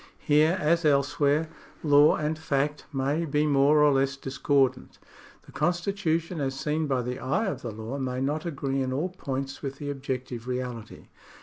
Here, as elsewhere, law and fact may be more or less discordant. The constitution as seen by the eye of the law may not agree in all points with the objec tive reality.